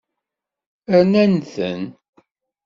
Rnan-ten.